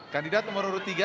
kandidat nomor urut tiga